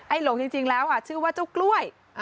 หลงจริงแล้วชื่อว่าเจ้ากล้วย